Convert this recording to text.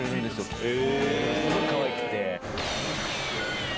すごいかわいくて。